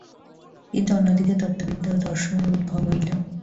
কিন্তু অন্যদিকে, তত্ত্ববিদ্যা ও দর্শনের উদ্ভব হইল।